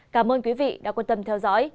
cảm ơn quý vị đã quan tâm theo dõi